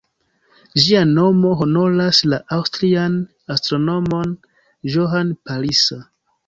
Ĝia nomo honoras la aŭstrian astronomon Johann Palisa.